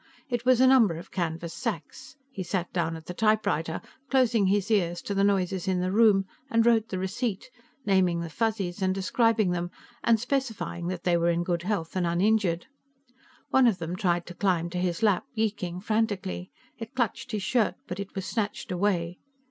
It was a number of canvas sacks. He sat down at the typewriter, closing his ears to the noises in the room, and wrote the receipt, naming the Fuzzies and describing them, and specifying that they were in good health and uninjured. One of them tried to climb to his lap, yeeking frantically; it clutched his shirt, but it was snatched away.